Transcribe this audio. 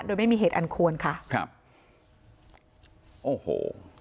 โดยไม่มีเหตุอันควรค่ะครับโอ้โห